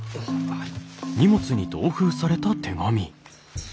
はい。